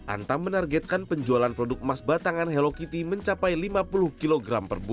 antam menargetkan penjualan produk emas batangan hello kitty mencapai lima puluh kg per bulan